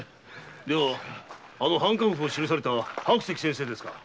ではあの「藩翰譜」を記された白石先生ですか？